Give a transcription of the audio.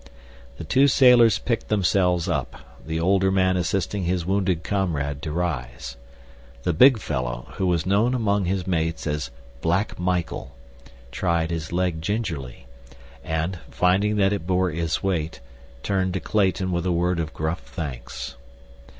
The two sailors picked themselves up, the older man assisting his wounded comrade to rise. The big fellow, who was known among his mates as Black Michael, tried his leg gingerly, and, finding that it bore his weight, turned to Clayton with a word of gruff thanks.